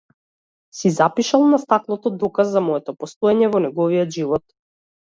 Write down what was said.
Си запишал на стаклото, доказ за моето постоење во неговиот живот.